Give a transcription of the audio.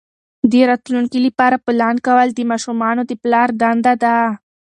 د راتلونکي لپاره پلان کول د ماشومانو د پلار دنده ده.